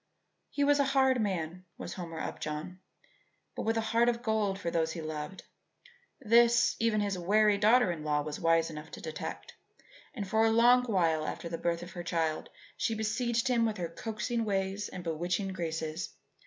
He was a hard man was Homer Upjohn, but with a heart of gold for those he loved. This, even his wary daughter in law was wise enough to detect, and for a long while after the birth of her child she besieged him with her coaxing ways and bewitching graces.